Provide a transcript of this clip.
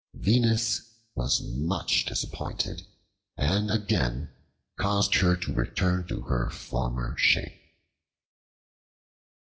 Venus was much disappointed and again caused her to return to her former shape.